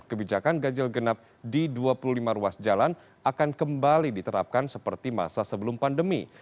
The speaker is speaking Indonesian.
kebijakan ganjil genap di dua puluh lima ruas jalan akan kembali diterapkan seperti masa sebelum pandemi